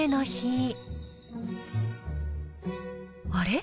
あれ？